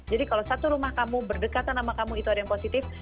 jadi kalau satu rumah kamu berdekatan sama kamu itu ada yang positif